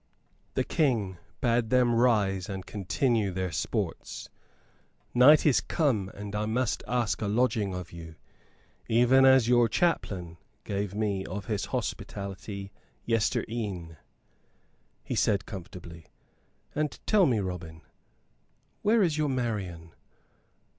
The King bade them rise and continue their sports. "Night is come and I must ask a lodging of you even as your chaplain gave me of his hospitality yester e'en," he said, comfortably. "And tell me, Robin, where is your Marian?